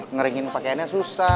ngeringin pakaiannya susah